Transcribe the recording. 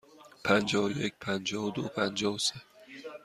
پنجاه و یک، پنجاه و دو، پنجاه و سه.